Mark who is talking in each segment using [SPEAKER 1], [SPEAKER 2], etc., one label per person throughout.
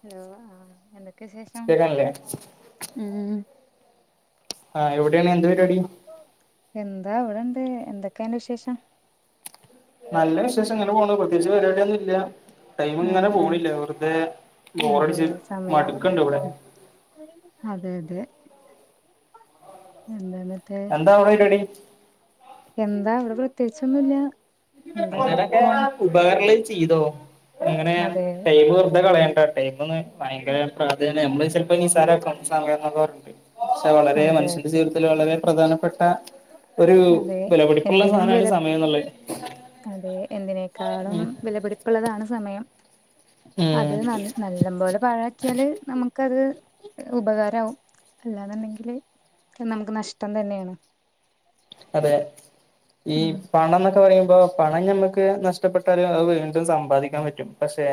[SPEAKER 1] Hello ആ എന്തൊക്കെ വിശേഷം
[SPEAKER 2] കേക്കാനില്ലേ
[SPEAKER 1] മ്
[SPEAKER 2] ആഹ് എവിടെയാണ് എന്താ പരിപാടി
[SPEAKER 1] എന്താ ഇവിടെണ്ട് എന്തൊക്കെ അന്റെ വിശേഷം
[SPEAKER 2] നല്ല വിശേഷം ഇങ്ങനെ പോവുന്നു പ്രത്യേകിച്ച് പരിപാടി ഒന്നും ഇല്ല
[SPEAKER 1] ആ
[SPEAKER 2] ടൈമിങ്ങനെ
[SPEAKER 1] ആ
[SPEAKER 2] പോണില്ല വെറുതെ
[SPEAKER 1] അതെ
[SPEAKER 2] ബോറടിച്ച്
[SPEAKER 1] സമയം
[SPEAKER 2] മടുക്ക്ണ്ട് ഇവിടെ
[SPEAKER 1] അതെ അതെ എന്തന്ന്
[SPEAKER 2] എന്താ അവടെ പരിപാടി
[SPEAKER 1] എന്താ ഇവിടെ പ്രത്യേകിച്ചൊന്നുംല്ല
[SPEAKER 2] അങ്ങനൊക്കെ ഉപകാരെന്തേലും ചെയ്തോ അങ്ങനെ
[SPEAKER 1] അതെ
[SPEAKER 2] ടൈമ് വെറുതെ കളയണ്ട ടൈംന്ന് ഭയങ്കര പ്രാധാന്യ നമ്മളത് ചെലപ്പൊ നിസാരാകാണ് സമയംന്നൊക്കെ പറഞ്ഞിട്ട് പക്ഷെ വളരെ
[SPEAKER 1] അതെ
[SPEAKER 2] മനുഷ്യന്റെ
[SPEAKER 1] അതെ
[SPEAKER 2] ജീവിതത്തില് വളരെ പ്രധാനപ്പെട്ട ഒരു
[SPEAKER 1] അതെ
[SPEAKER 2] വെലപടിപ്പുള്ളള്ള
[SPEAKER 1] എന്തിനും
[SPEAKER 2] സാനാണ്
[SPEAKER 1] വില
[SPEAKER 2] സമയം എന്നുള്ളത്
[SPEAKER 1] അതെ എന്തിനേക്കാളും
[SPEAKER 2] ഉം
[SPEAKER 1] വിലപിടിപ്പുള്ളതാണ് സമയം അത്
[SPEAKER 2] ഉം
[SPEAKER 1] ന നല്ലമ്പോലെ പാഴാക്കിയാല് നമുക്ക് അത് ഉപകാരാവും അല്ലാന്ന്ണ്ടെങ്കില് അത് നമുക്ക് നഷ്ടം തന്നെയാണ്
[SPEAKER 2] അതെ ഈ
[SPEAKER 1] ഉം
[SPEAKER 2] പണംന്നൊക്കെ പറയുമ്പോ പണം ഞമ്മക്ക് നഷ്ടപ്പെട്ടാലും അത് വീ ണ്ടും സമ്പാദിക്കാൻ പറ്റും പക്ഷെ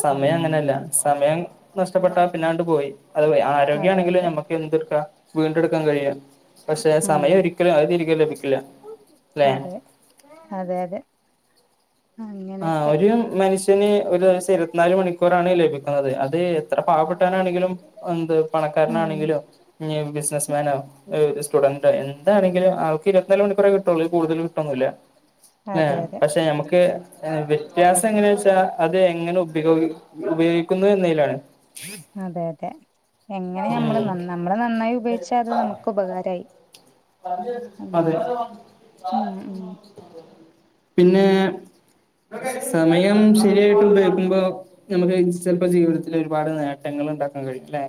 [SPEAKER 1] അതെ
[SPEAKER 2] സമയം അങ്ങനെയല്ല സമയം നഷ്ടപ്പെട്ട പിന്നാണ്ട് പോയി അത്
[SPEAKER 1] അതെ
[SPEAKER 2] ആരോഗ്യാണെങ്കിലും
[SPEAKER 1] അതെ
[SPEAKER 2] ഞമ്മക്ക് എന്ത്‌ട്ക്ക വീണ്ടെടുക്കാൻ കഴിയും പക്ഷെ
[SPEAKER 1] ഉം
[SPEAKER 2] സമയം ഒരിക്കലും അത് തിരി കെ ലഭിക്കില്ല ലേ
[SPEAKER 1] അതെ അതെ അതെ
[SPEAKER 2] ആ
[SPEAKER 1] അങ്ങനെയൊക്കെ
[SPEAKER 2] ഒരു മനുഷ്യന് ഒരു ദിവസം ഇര്വത്തിനാല് മണിക്കൂറാണ് ലഭിക്കുന്നത്. അത് എത്ര പാവപ്പെട്ടവാനാണെങ്കിലും എന്ത് പണക്കാരനാ
[SPEAKER 1] ഉം
[SPEAKER 2] ണെങ്കിലും ഇഞ്ഞി ബിസിനസ്‌ മാനോ ഒരു സ്റ്റുഡന്റോ എന്താണെങ്കിലും ആൾക്ക് ഇര്വത്തിനാല് മണിക്കൂറെ കിട്ടൊള്ളൂ അയ്ല് കൂടുല് കിട്ടൊന്നുല്ല ലെ
[SPEAKER 1] അതെ അതെ
[SPEAKER 2] പക്ഷെ ഞമ്മക്ക് വ്യത്യാസം എങ്ങനെ വെച്ചാ അത് എങ്ങനെ ഉപിഗൊ ഉപയോഗിക്കുന്നു എന്നതിലാണ്.
[SPEAKER 1] അതെ അതെ. എങ്ങനെ ഞമ്മള്
[SPEAKER 2] ഉം
[SPEAKER 1] നന്ന് ഞമ്മള് നന്നായി ഉപയോഗിച്ചാ അത് നമുക്ക് ഉപകാരായി.
[SPEAKER 2] ഉം.. അതെ,...,
[SPEAKER 1] അങ്ങനെ ഉം ഉം
[SPEAKER 2] പിന്നേ സമയം ശരിയായിട്ട് ഉപയോഗിക്കുമ്പോ നമുക്ക് ചെലപ്പൊ ജീവിതത്തില് ഒരുപാട് നേട്ടങ്ങള് ങ്ങള് ഇണ്ടാക്കാൻ കഴിയും ലെ.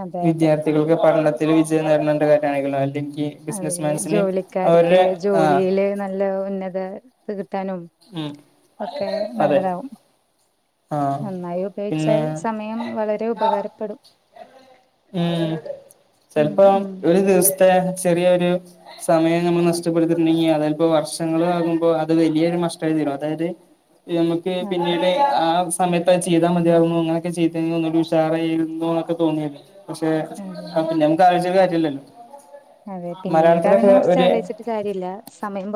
[SPEAKER 1] അതെ അതെ
[SPEAKER 2] വിദ്യാർത്ഥികൾക്ക് പഠനത്തില് വിജയം നേട്ണോണ്ട് [unintelligible] അല്ലെങ്കി
[SPEAKER 1] അതെ, ജോലിക്കാർക്ക്
[SPEAKER 2] ആഹ്
[SPEAKER 1] ജോലിയില് നല്ല ഉന്നത ത് കിട്ടാനും
[SPEAKER 2] ഉം
[SPEAKER 1] ഒക്കെ
[SPEAKER 2] അതെ
[SPEAKER 1] നല്ലതാവും.
[SPEAKER 2] ആഹ്
[SPEAKER 1] നന്നായി
[SPEAKER 2] പിന്നെ
[SPEAKER 1] ഉപയോഗിച്ചാൽ സമയം വളരെ ഉപകാരപ്പെടും.
[SPEAKER 2] ഉം
[SPEAKER 1] ഉം
[SPEAKER 2] ചെലപ്പോ
[SPEAKER 1] ഉം
[SPEAKER 2] ഒരു ദിവസ് ത്തെ ചെറിയൊരു സമയം നമ്മള് നഷ്ടപ്പെടുത്തിട്ടുണ്ടെങ്കി അതെൽപ്പൊ വർഷങ്ങളാകുമ്പൊ അത് വലിയൊരു നഷ്ട ആയി തീരും അതായത് നമുക്ക്
[SPEAKER 1] അതെ
[SPEAKER 2] പിന്നീട് ആ സമയത്ത് ചെയ്താ മതിയാകുന്നു അങ്ങനെയൊക്കെ ചെയ്തെങ്കി ഒന്നുടി ഉഷാറായിരുന്നുന്നൊക്കെ തോന്നിയല്ലോ. പക്ഷെ
[SPEAKER 1] അതെ
[SPEAKER 2] ആ പിന്നെ ഞമുക്ക് ആലോയ്ച്ചിട്ട് കാര്യല്ലലോ.
[SPEAKER 1] അതെ പിന്നീട് അതിനെ കുറിച്ച് ആലോചിച്ചിട്ട് കാര്യല്ല. സമയം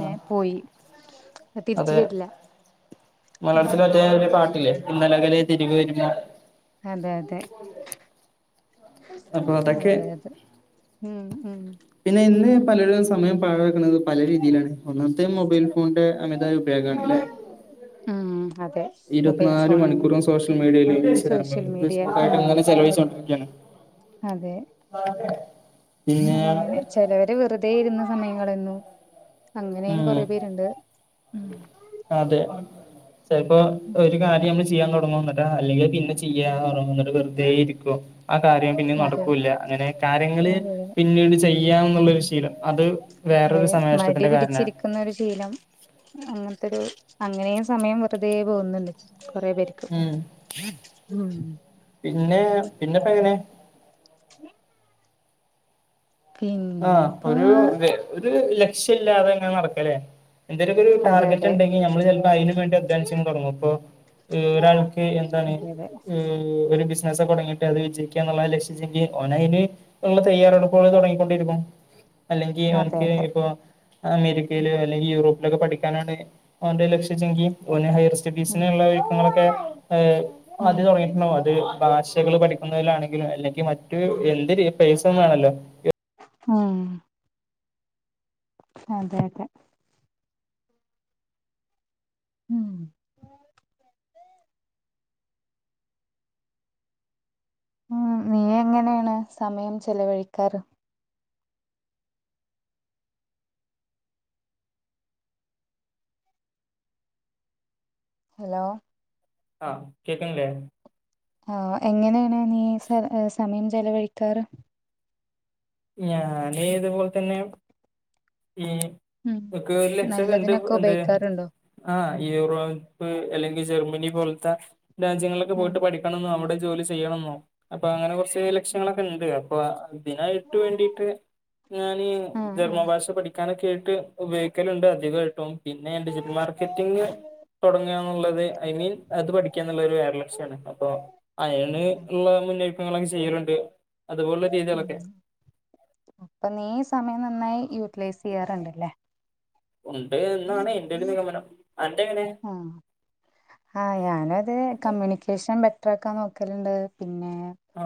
[SPEAKER 2] ആഹ്
[SPEAKER 1] പോയി. തിരിച്ച്
[SPEAKER 2] അതെ
[SPEAKER 1] വരില്ല അതെ
[SPEAKER 2] മലയാളത്തില് മറ്റേയാതി പാ ട്ട്ല്ലേ ഇന്നലെകളെ തിരികെ വരുമോ
[SPEAKER 1] അതെ അതെ
[SPEAKER 2] അപ്പൊ അതൊക്കെ
[SPEAKER 1] അതെ അതെ ഉം ഉം.
[SPEAKER 2] ഇപ്പല്ലേലും സമയം പാഴായ ക്കുന്നത് പല രീതിയിലാണ്. ഒന്നാമത്തെ മൊബൈൽ ഫോണിന്റെ അമിതായ ഉപയോഗമാണ് ലേ.
[SPEAKER 1] ഉം അതെ. മൊബൈൽ
[SPEAKER 2] ഇരുപത്തിനാല്
[SPEAKER 1] ഫോണ്
[SPEAKER 2] മണിക്കൂറും സോഷ്യൽ മീഡിയയില് ഇൻസ്റ്റഗ്രാമ്
[SPEAKER 1] സോഷ്യൽ മീഡിയ
[SPEAKER 2] ഫസ്ബുക്കായിയിട്ട്
[SPEAKER 1] ഉം
[SPEAKER 2] ഇങ്ങനെ ചെലവഴിച്ചോണ്ടിരിക്കയാണ്.
[SPEAKER 1] അതെ.
[SPEAKER 2] [inaudible]
[SPEAKER 1] അങ്ങനെ ചെലവര് വെറുതെ ഇരുന്ന് സമയം കളയുന്നു. അങ്ങനെയും
[SPEAKER 2] ഉം
[SPEAKER 1] കൊറെ പേരുണ്ട് ഉം.
[SPEAKER 2] അതെ ചെലപ്പോ ഒരു കാര്യം നമ്മള് ചെയ്യാൻ തു തുടങ്ങുംന്നട്ടാ അല്ലെങ്കിൽ പിന്നെ ചെയ്യാ റങ്ങും എന്നിട്ട് വെറുതെ ഇരിക്കും. ആ കാര്യം പിന്നീ
[SPEAKER 1] അതെ
[SPEAKER 2] നടക്കൂല്ല അങ്ങനെ കാര്യങ്ങള്
[SPEAKER 1] അതെ
[SPEAKER 2] പിന്നീട് ചെയ്യാന്നുള്ളരു ശീലം അത്
[SPEAKER 1] അതെ
[SPEAKER 2] വേറൊരു
[SPEAKER 1] മടി
[SPEAKER 2] സമയനഷ്ടത്തിന്റെ കാരണാ
[SPEAKER 1] പിടിച്ചിരിക്കുന്നൊരു ശീലം അങ്ങന ത്തൊരു അങ്ങനെയും സമയം വെറുതെ പോകുന്നുണ്ട്. കൊറെ പേർക്ക്
[SPEAKER 2] ഉം.....
[SPEAKER 1] ഉം
[SPEAKER 2] പിന്നെ പിന്നപ്പങ്ങനെ?
[SPEAKER 1] പിന്നെപ്പോ
[SPEAKER 2] ആഹഒരു ഒരു ലക്ഷ്യംല്ലാതെ ഇങ്ങനെ നടക്കലേ. എന്തെലൊക്കെ ഒരു
[SPEAKER 1] അതെ
[SPEAKER 2] ടാർഗറ്റ്
[SPEAKER 1] അതെ
[SPEAKER 2] ണ്ടെങ്കിൽ നമ്മള് ചെലപ്പോ അതിനന് വേണ്ടി ഉദ്ദേശങ്ങൾ തുടങ്ങും അപ്പോ ഒരാൾക്ക് എന്താണ്
[SPEAKER 1] അതെ അതെ
[SPEAKER 2] ഒരു ബിസിനസക്കെ തുടങ്ങിയിട്ട് അത് വിജയിക്കാന്നുള്ള ആ ലക്ഷ്യ ണ്ടകിൽ ഓന് അയിന് ഉള്ള തയ്യാറെടുപ്പുകൾ തുടങ്ങി. യിരിക്കും. അല്ലെങ്കിൽ
[SPEAKER 1] അതെ
[SPEAKER 2] അവനക്ക്
[SPEAKER 1] അതെ
[SPEAKER 2] ഇപ്പൊ അമേരിക്കയിലോ അല്ലെങ്കിൽ യൂറോപ്പിലൊക്കെ പഠിക്കാനാണ് അവന്റെ ലക്ഷ്യെച്ചങ്കി ഓന് ഹയ്യർ
[SPEAKER 1] ഉം
[SPEAKER 2] സ്റ്റഡീസിനുള്ള ഒരുക്കങ്ങളൊക്കെ അ ആദ്യ
[SPEAKER 1] ഉം
[SPEAKER 2] തുടങ്ങിയിട്ടുണ്ടാകും അത് ഭാഷകൾ പഠിക്കുന്നതിലാണെങ്കിലും. അല്ലെ മറ്റ് എന്ത്നും ഈ പൈസ വേണല്ലോ.
[SPEAKER 1] ഹും. അതെ അതെ. ഉം. ഉം നീയെങ്ങനെയാണ് സമയം ചെലവഴിക്കാറ്? ഹലോ
[SPEAKER 2] ആഹ് കേക്ക്ണില്ലേ.
[SPEAKER 1] ആ എങ്ങനെയാണ് നീ സ സമയം ചെലവഴിക്കാറ്
[SPEAKER 2] ഞാന് ഇതുപോലെതന്നെ ഈ
[SPEAKER 1] ഉം
[SPEAKER 2] ഇൻക്ക് ഒരു ലക്ഷ്യക്കണ്ട്
[SPEAKER 1] നല്ലതിനൊക്കെ
[SPEAKER 2] എന്ത്
[SPEAKER 1] ഉപയോഗിക്കാറുണ്ടോ
[SPEAKER 2] ആ യൂറോപ്പ് അല്ലെങ്കിൽ ജർമ്മനി പോൽത്തെ രാജ്യങ്ങളിലൊക്കെ
[SPEAKER 1] ഉം
[SPEAKER 2] പോയിട്ട് പഠിക്കണംന്ന് നമ്മു [unintelligible] ജോലി ചെയ്യണെന്നോ അപ്പൊ അങ്ങനെ കുറച്ച് ലക്ഷ്യങ്ങളൊക്കെ ഇണ്ട് അപ്പൊ വേണ്ടിട്ട് ഞാന്
[SPEAKER 1] ഉം ഉം
[SPEAKER 2] ജർമൻഭാഷ പഠിക്കാനൊക്കെ ട്ട് ഉപയോഗിക്കലണ്ട് അധികായിട്ടും പിന്നെ ഡിജിറ്റൽ മാർക്ക [unintelligible] തുടങ്ങാന്നുള്ളത് ഐ മീൻ അത് പഠിക്കാന്നുള്ളത് ഒരു വേറെലക്ഷ്യാണ് അപ്പൊ അയിന് [unintelligible] മുന്നൊരുക്കങ്ങളൊക്കെ ചെയ്യലുണ്ട് അതുപോലെ രീതികളൊക്കെ
[SPEAKER 1] അപ്പൊനീ സമയം നന്നായി യൂട്ടിലൈസ് ചെയ്യാറിണ്ടല്ലേ.
[SPEAKER 2] ഉണ്ട് എന്നാണ് എന്റെ ഒരു നിഗമനം. അന്റെ എങ്ങനെയാ?
[SPEAKER 1] ഹാ ഞാനത് കമ്മ്യൂണിക്കേഷൻ ബെറ്ററാക്കാൻ നോക്കലിണ്ട് പി
[SPEAKER 2] ആ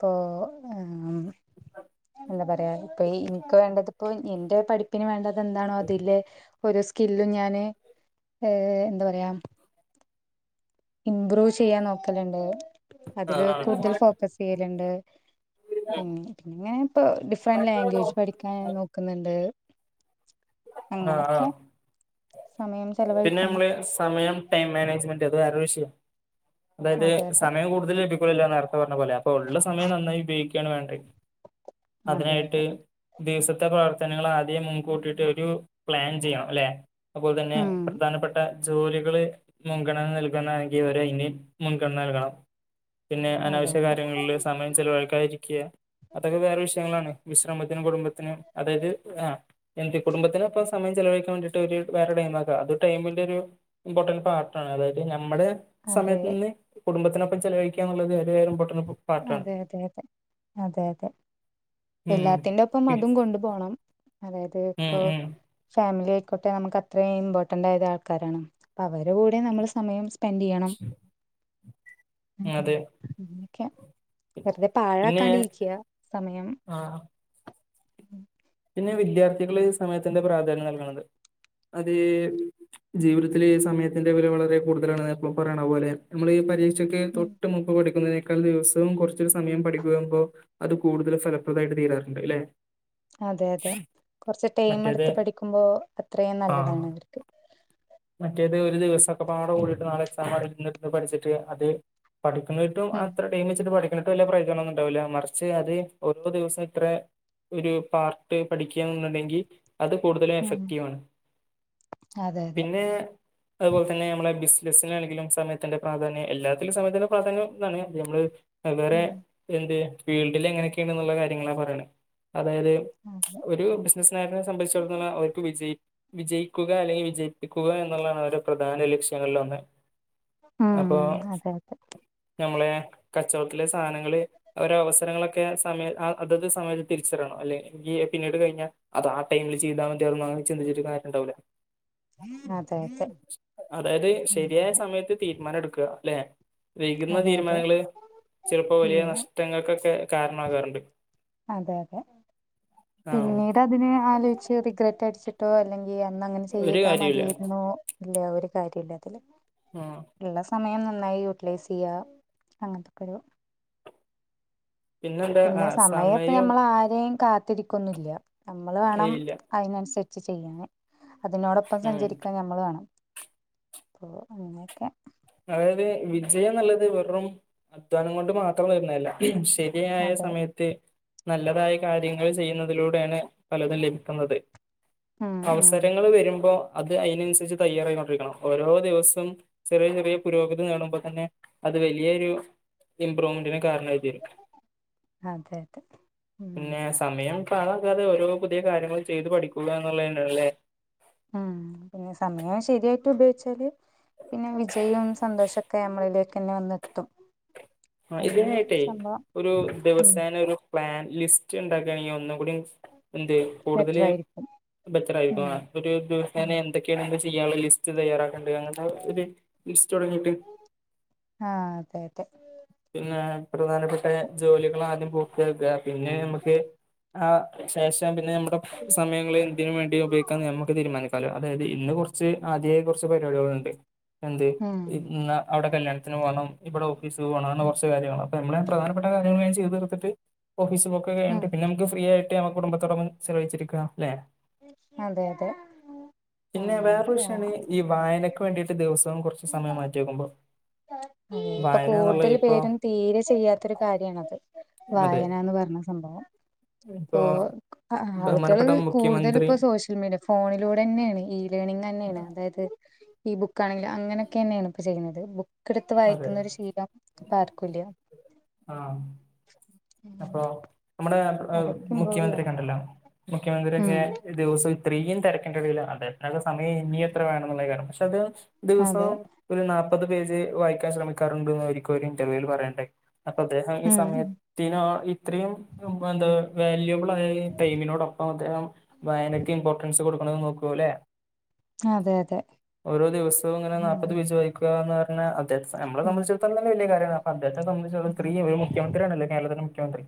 [SPEAKER 1] പോ ആം [inaudible] എന്തപറയാ ഇപ്പൊ ഇൻക്ക് വേണ്ടതിപ്പോ എന്റെ പഠിപ്പിന് വേണ്ട അതെന്താണോ തില് ഒരു സ്കില്ലും ഞാന് എ എന്താ പറയാ ഇംമ്പ്രൂവ് ചെയ്യാൻ നോക്കലിണ്ട്
[SPEAKER 2] ആ
[SPEAKER 1] അതില്
[SPEAKER 2] ആ
[SPEAKER 1] കൂടുതൽ ഫോക്കസ്ചെയ്യൽണ്ട് പി പിന്ന ഇപ്പൊ ഡിഫറന്റ് ലാംഗ്വേജ് പഠിക്കാൻ നോക്കുന്നിണ്ട്
[SPEAKER 2] ആ ആ
[SPEAKER 1] സമയം
[SPEAKER 2] പിന്നെ
[SPEAKER 1] ചെലവഴിക്കുന്ന
[SPEAKER 2] നമ്മള് സമയം ടൈം മാനേജ്മെന്റ് വേറെ വിഷയം അതായത്
[SPEAKER 1] അതെ അതെ
[SPEAKER 2] സമയം കൂടുതൽ ലഭിക്കൂല്ലാന്ന് പറഞ്ഞ പോലെ അപ്പൊ ഉള്ള സമയം നന്നായി ഉപയോഗിക്കുവാണ് വേണ്ടെ
[SPEAKER 1] അതെ
[SPEAKER 2] അതിനായിട്ട്
[SPEAKER 1] അതെ
[SPEAKER 2] ദിവസത്തെ പ്രവർത്തനങ്ങൾ ആദ്യം മുൻകൂട്ടി ഒരു പ്ലാൻ ചെയണം അല്ലെ അതുപോലെ തന്നെ
[SPEAKER 1] ഉം
[SPEAKER 2] പ്രധാനപ്പെട്ട ജോലികള് മുൻഗണന നൽകുന്നാണെങ്കി അവര് അയിന്‌ മുൻഗണന നൽകണം പിന്നെ
[SPEAKER 1] അതെ
[SPEAKER 2] അനാവശ്യ
[SPEAKER 1] അതെ
[SPEAKER 2] കാര്യങ്ങളില് സമയം ചെലവഴിക്കാതിരിക്കുക അതൊക്കെ വേറെ വിഷയങ്ങളാണ് വിശ്രമത്തിനും കുടുംബത്തിനും അതായത് ആ എ ഇപ്പം സമയം ചെലവഴിക്കാൻ വേണ്ടിട്ട് ഒരു വേറെ ടൈം നോക്കാ അത് ടൈമിന്റെ ഒരു ഇമ്പോർട്ടൻ പാർട്ടാണ് അത് നമ്മടെ സമയ
[SPEAKER 1] അതെ അതെയതെയതെ അതെയതെ
[SPEAKER 2] ഉം
[SPEAKER 1] എല്ലാത്തിന്റെ ഒപ്പം
[SPEAKER 2] പി-
[SPEAKER 1] അതും കൊണ്ടു പോണം അതായത്
[SPEAKER 2] ഉം
[SPEAKER 1] ഇപ്പൊ
[SPEAKER 2] ഉം
[SPEAKER 1] ഫാമിലി യിക്കോട്ടെ നമുക്ക് അത്രേം ഇമ്പോർന്റ് ആയതാൾക്കാരാണ് അവരൂടേം നമ്മള് സമയം എന്തെയ്യണം
[SPEAKER 2] അതെ
[SPEAKER 1] വെറുതെ
[SPEAKER 2] പിന്നെ
[SPEAKER 1] പാഴാക്കാണ്ടിരിയ്ക്യ സമയം
[SPEAKER 2] ആ വിദ്യാർത്ഥികള് സമയത്തിന്റെ പ്രാധാന്യം നൽകണത് അത് ജീവിതത്തിലീ സമയത്തിന്റെ വില വളരെ കൂടുതലാണ് എപ്പളും പറയണ പോലെ നമ്മളീ പരി ഉച്ചക്ക്
[SPEAKER 1] ഉം
[SPEAKER 2] തൊട്ടുമുമ്പ് പഠിക്കുന്ന ദിവസവും കുറച്ചൊരു സമയം പഠിക്കുമ്പോ അത് കൂടുതൽ ഫലപ്രദായിട്ട് തീരാറുണ്ട് ഇല്ലേ
[SPEAKER 1] അതെ അതെ കൊറച്ച് ടൈമെടുത്ത് പഠിക്കുമ്പോ അത്രയും
[SPEAKER 2] ആ
[SPEAKER 1] നല്ലതാണവർക്ക്
[SPEAKER 2] മറ്റേത് ഒരു ദിവസൊക്കെ പാടകൂടിട്ട് നാളെ എക്സാമിനിരുന്ന് പഠിച്ചിട്ട് അത് പഠിക്കുന്നിട്ടും
[SPEAKER 1] ഉം
[SPEAKER 2] അത്രടൈം വെചിട്ട് പഠിക്ക എന്നിട്ട് വല്യ പ്രയോജനമൊന്നും ഉണ്ടാവില്ല മറിച്ച് അത് ഓരോ ദിവസം ഇത്ര ഒരു പാർ പഠിക്യാ എന്നുണ്ടെങ്കി അത് കൂടുതലും
[SPEAKER 1] ഉം
[SPEAKER 2] എഫക്റ്റീവ് ആണ്
[SPEAKER 1] അതെ അതെ
[SPEAKER 2] പിന്നേ അതുപോലതന്നെ നമ്മളെ ബസിനാണെങ്കിലും സമയത്തിന്റെ പ്രാധാന്യം എല്ലാത്തിലും സമയത്തിന്റെ പ്രാധാന്യം എന്നാ നമ്മൾ വെവ്വേറെ
[SPEAKER 1] ഉം
[SPEAKER 2] എന്ത് ഫീൽഡി ലെങ്ങനെയൊകെയുണ്ടെന്നുള്ള കാര്യങ്ങളാ പറയണേ അതായത്
[SPEAKER 1] അതെ
[SPEAKER 2] ഒരൂ ബിസിനസ്കാര്നെ സംബന്ധിച്ചിടത്തോളം അവർക്ക് വിജയി വിജയിക്കുക അല്ലെങ്കിൽ വിജയിപ്പിക്കുക എന്നുള്ളതാണ് ഒരു പ്രധാന ലക്ഷ്യങ്ങളിൽ ഒന്ന്
[SPEAKER 1] ഉം
[SPEAKER 2] അപ്പൊ
[SPEAKER 1] അതെ അതെ
[SPEAKER 2] നമ്മളെ കച്ചവടത്തിലെ സാനങ്ങള് അവര അവസരങ്ങളൊക്കെ സമയ അഅതത് സമയത്ത് തിരിച്ചറിയണം അല്ലെ ഈപിന്നീട് കഴിഞ്ഞാൽ അത് ആ ടൈമില് ചെയ്താമതി അതൊന്നും അങ്ങനെ ചിന്തിച്ചിട്ട് കാര്യം ഉണ്ടാവുല
[SPEAKER 1] അതെ
[SPEAKER 2] അതായത് ശരിയായ
[SPEAKER 1] അതെ
[SPEAKER 2] സമയത്ത് തീരുമാനം എടുക്കുക ല്ലെ വൈകുന്ന
[SPEAKER 1] അതെ അതെ
[SPEAKER 2] തീരുമാനങ്ങള്ചിലപ്പോ വലിയ
[SPEAKER 1] ഉം
[SPEAKER 2] നഷ്ടങ്ങൾക്കൊക്കെ കാരണാകാറുണ്ട്
[SPEAKER 1] അതെ അതെ പിന്നീട് അതിനെ ആലോചിച്ച് റിഗ്രെറ്റ് അടിച്ചിട്ടോ അല്ലെങ്കിൽ യ്യേ അന്ന് അങ്ങനെ
[SPEAKER 2] ഒരു
[SPEAKER 1] ചെയ്താ
[SPEAKER 2] കാര്യവുമില്ല
[SPEAKER 1] മതിയാരുന്നു അല്ലേ ഒരു കാര്യമില്ല അതില്
[SPEAKER 2] ആഹ്
[SPEAKER 1] ഉള്ള സമയം നന്നായി യൂട്ടിലൈസയ്യാ അങ്ങനത്തെക്കൊരു
[SPEAKER 2] പിന്നെന്താ
[SPEAKER 1] പിന്നെ
[SPEAKER 2] ആഹ്
[SPEAKER 1] സമയപ്പ
[SPEAKER 2] സമയം
[SPEAKER 1] നമ്മളാരെയും കാ ത്തിരിക്കൊന്നുംല്ല നമ്മള് വേണം
[SPEAKER 2] ഇല്ല
[SPEAKER 1] അതിനനുസരിച്ച് ചെയ്യാന് അതിനോടൊപ്പം
[SPEAKER 2] ഉം
[SPEAKER 1] സഞ്ചരിക്കാൻ നമ്മൾ വേണം അങ്ങനെയൊക്കെ
[SPEAKER 2] അതായത് വിജയം ന്ന്ള്ളത് വെറും അധ്വാനം കൊണ്ട് മാത്രം വരുന്നതല്ല ശരിയായ
[SPEAKER 1] അതെ
[SPEAKER 2] സമയത്ത് നല്ലതായ കാര്യങ്ങൾ ചെയ്യുന്നതിലൂടെയാണ് പലതും ലഭിക്കുന്നത്
[SPEAKER 1] ഉം ഉം
[SPEAKER 2] അവസരങ്ങള് വരുമ്പോ അത് അയ്നന്സരിച്ച് തയ്യാറായിക്കൊണ്ടിരിക്കണം ഓരോ ദിവസം ചെറിയ ചെ റിയ പുരോഗതി നേടുമ്പോ തന്നെ അത് വലിയൊരു ഇംമ്പ്രൂവ്മെന്റിന് കാരണായിതീരും
[SPEAKER 1] അതെ അതെ ഉം
[SPEAKER 2] പിന്നെ സമയം പാഴാക്കാതെ ഓരോ പുതിയ കാര്യങ്ങൾ ചെയ്ത് പഠിക്കുക എന്നുള്ളതന്നെയല്ലേ
[SPEAKER 1] ഉം പിന്നെ സമയാഷ് ശരിയായിട്ട് ഉപയോഗിച്ചാല് പിന്നെ വിജയും സന്തോഷൊക്കെ നമ്മളിലേക്കന്നെ വന്നെത്തും
[SPEAKER 2] ആ
[SPEAKER 1] ഒരു
[SPEAKER 2] ഇതിനായിട്ടെ
[SPEAKER 1] സംഭവം
[SPEAKER 2] ഒരു
[SPEAKER 1] ഉം
[SPEAKER 2] ദിവസേന ഒരു പ്ലാൻ ലിസ്റ്റ് ഇണ്ടാക്കാണെങ്കി ഒന്നു കുടിം എന്ത് കൂടുതൽ
[SPEAKER 1] ബെറ്റർ ആയിരിക്കും
[SPEAKER 2] ബെറ്ററായിരിക്കും
[SPEAKER 1] ഉം
[SPEAKER 2] അ ഒരു
[SPEAKER 1] ഉം
[SPEAKER 2] ഒരുദിവസേനെ എന്തെക്കേണ്ണ് ചെയ്യാനുള്ള ലിസ്റ്റ് തയ്യാറാക്കേണ്ട അങ്ങനത്തെ ഒരു ലിസ്റ്റ് തുടങ്ങീട്ട്
[SPEAKER 1] ആ അതെ അതെ
[SPEAKER 2] ന്നെ പ്രധാനപ്പെട്ട ജോലികൾആദ്യം പൂർത്ത്യാക്കാ പിന്നെ ഞമ്മക്ക് ആ ശേഷം പിന്നെ നമ്മുടെ സമയങ്ങള് എന്തിനു വേണ്ടിയും ഉപയോഗിക്കാന്നെ നമ്മക്കൊക്കേ തീരുമാനിക്കാലോ അതായത് ഇന്ന് കുറച്ച് ആദ്യം ഏ കുറച്ച് പരിപാടികളുണ്ട് എന്ത്
[SPEAKER 1] ഉം
[SPEAKER 2] എന്നാ അവിടെ കല്യാണത്തിന് പോവണം ഇവിടെ ഓ ഫീസ് പോണം അങ്ങനെ
[SPEAKER 1] ഉം
[SPEAKER 2] കുറച്ച് കാര്യങ്ങള് നമ്മളെ നമ്മെ പ്രധാനപ്പെട്ട കാര്യങ്ങള് ചെയ് തീർത്തിട്ട് ഓഫീസ് പോക്കൊക്കെ
[SPEAKER 1] ഉം
[SPEAKER 2] കഴിഞ്ഞിട്ട് പിന്നെ നമക്ക് ഫ്രീ ആയിട്ട് ഞമ്മക്ക് കുടുംബത്തോടപ്പം ചിലവഴിച്ചിരിക്കാം ല്ലെ
[SPEAKER 1] അതെ അതെ
[SPEAKER 2] പിന്നെ വേറെ
[SPEAKER 1] അങ്ങനെ
[SPEAKER 2] വിഷയാണ്
[SPEAKER 1] ആഹ്
[SPEAKER 2] ഈ വായനക്ക് വേണ്ടീട്ട് ദിവസം ഇപ്പം കുറച്ച് സമയം മാറ്റിവെക്കുമ്പോ
[SPEAKER 1] അതെ ഇപ്പൊ കൂടുതൽ പേരും തീരെ ചെയ്യാത്തൊരു കാര്യാണത്
[SPEAKER 2] അതെ
[SPEAKER 1] വായനാന്ന് പറഞ്ഞ സംഭവം
[SPEAKER 2] ഇപ്പൊ
[SPEAKER 1] ഇപ്പോ ആൾക്കാര്
[SPEAKER 2] ബഹുമാനപ്പെട്ട
[SPEAKER 1] കൂടുതല്
[SPEAKER 2] മുഖ്യമന്ത്രി
[SPEAKER 1] ഇപ്പോ സോഷ്യൽ മീഡിയ ഫോണിലൂടെന്നെയാണ് ഈ ലേർണിങ് തന്നെയാണ് അതായത് ഈ ബുക്ക് ആണെങ്കിലും അങ്ങനെക്കെന്നയാണ് ഇപ്പ ചെയ്യുന്നത് ബു
[SPEAKER 2] അതെ
[SPEAKER 1] ബുക്കെടുത്തുവായിക്കുന്നൊരു ശീലം ഇപ്പാർക്കൂല്യാ
[SPEAKER 2] അപ്പോം ന ആ
[SPEAKER 1] ഇമ്പ്രൂവ് ചെയ്യണം
[SPEAKER 2] മുഖ്യമന്ത്രികണ്ടല്ലോ മുഖ്യമന്ത്രിയൊക്കെ
[SPEAKER 1] ഉം
[SPEAKER 2] ദിവസം ഇത്രീം തിരക്കിന്റെടയിൽ അതെ നക്കൊ സമയം ഇനിയും എത്ര വേണംന്നുള്ള യ്ക്കാരംപക്ഷെ അത്
[SPEAKER 1] അതെ
[SPEAKER 2] ദിവസോം ഒരു നാല് മുപ്പത് പേജ് വായിക്കാൻ ശ്രമിക്കാറുണ്ട് എന്ന് ഒരിക്കൽ ഒരു ഇന്റർവ്യൂവിൽ പറയേണ്ടായി അപ്പോ അദ്ദേഹം ഈ
[SPEAKER 1] ഉം
[SPEAKER 2] സമയത്ത് നോ എത്രയും വേന്ത വാല്യുബിൾ ആയഈ ടൈമിനോടോപ്പം അദ്ദേഹം വായനക്ക് ഇമ്പോട്ടൻസ് കൊടുണേന്ന് നോക്കൂല്ലേ
[SPEAKER 1] അതെ അതെ
[SPEAKER 2] ഓരോ ദിവസവും ഇങ്ങനെ
[SPEAKER 1] ഉം
[SPEAKER 2] നാപ്പത് വെച്ച് വായിക്കുകാന്നർ ന്നാനങ്ങനെ ഞമ്മളെ
[SPEAKER 1] ഉം
[SPEAKER 2] സംബന്ധിച്ചടുതോളംതന്നെ വല്യ കാര്യാണ് അപ്പം അദ്ദേഹത്തെ സംബന്ധിച്ചടു
[SPEAKER 1] അതെ
[SPEAKER 2] ഇത്രീംഒരു മുഖ്യമന്ത്രിയാണല്ലോ കേരളെ മുഖ്യമന്ത്രി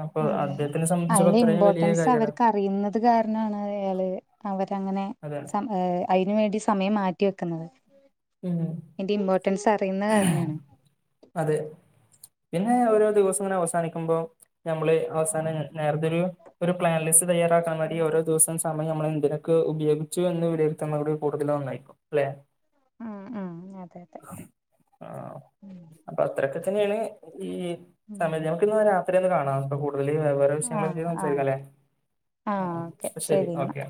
[SPEAKER 2] അ അപ്പൊ
[SPEAKER 1] അതെ
[SPEAKER 2] അദ്ദേഹത്തിനെ സംബ
[SPEAKER 1] അതിന്റെ ഇമ്പോർട്ടൻസ് അവർക്ക് അറിയുന്നത് കാരണാണ് അയാള് അവരങ്ങനെ
[SPEAKER 2] അതാണ്
[SPEAKER 1] സ അയിന് വേണ്ടി സമയം മാറ്റി വെക്കുന്നത്
[SPEAKER 2] ഉം
[SPEAKER 1] ഇതി ഇമ്പോർട്ടൻസ് അറിയുന്ന കാരണാണ്
[SPEAKER 2] അതെ പിന്നെ
[SPEAKER 1] അതെ
[SPEAKER 2] ഓരോ ദിവസംങ്ങനെ അവസാനി ക്കുബോ നമ്മള് അവസാനം നേരത്തെ ഒരു ഒരു പ്ലാൻ ലിസ്റ്റ് തയ്യാറാക്കാൻ വേണ്ടി ഓരോ ദിവസം സമയം നമ്മള എന്തിനൊക്കെ ഉപയോഗിച്ചു എന്ന് വിലയിരുത്തുന്ന കൂടുതലായിക്കും അല്ലെ
[SPEAKER 1] ഉം ഉം അതെ അതെ ഉം
[SPEAKER 2] ഇപ്പത്തന്നണ് ഈ
[SPEAKER 1] ഉം
[SPEAKER 2] [unintelligible] ആപിന്ന് രാത്രിന്ന് കാണാം വിളി വേറെ വിഷയങ്ങള്
[SPEAKER 1] ആഹ്
[SPEAKER 2] വെച്ച്
[SPEAKER 1] ആഹ്
[SPEAKER 2] സംസാരിക്കല്ലേ ആ
[SPEAKER 1] ആഹ് ഓക്കെ
[SPEAKER 2] അപ്പ ശേരി
[SPEAKER 1] ശരി എന്നാ
[SPEAKER 2] ഓക്കെ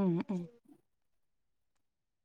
[SPEAKER 1] ഉം ഉം